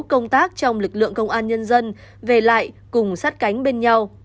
công tác trong lực lượng công an nhân dân về lại cùng sát cánh bên nhau